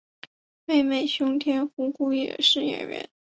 妹妹熊田胡胡也是演员。